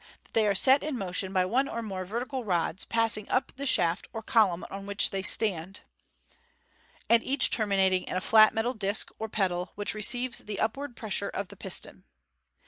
that they are set in motion by one or more vertical rods passing up the shaft or column on which they stand, and each terminating in a flat metal disc, or pedal, which receives the upward pressure of the piston.